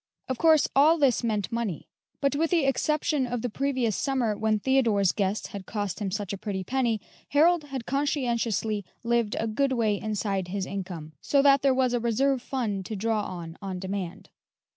Of course, all this meant money; but with the exception of the previous summer, when Theodore's guests had cost him such a pretty penny, Harold had conscientiously lived a good way inside his income, so that there was a reserve fund to draw on, on demand.